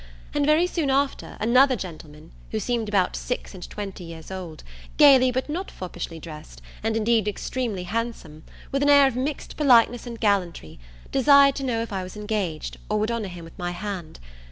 And very soon after, another gentleman, who seemed about six and twenty years old, gaily but not foppishly dressed, and indeed extremely handsome, with an air of mixed politeness and gallantry, desired to know if I was engaged, or would honour him with my hand.